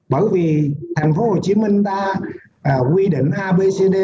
bởi vì tp hcm ta quy định abcd